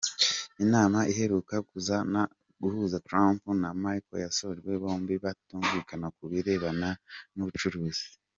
Inama iheruka guhuza Trump na Merkel yasojwe bombi batumvikana ku birebana n’ubucuruzi.